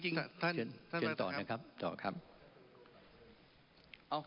เชิญต่อนะครับ